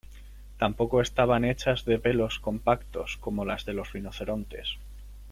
Tampoco estaban hechas de pelos compactos, como las de los rinocerontes.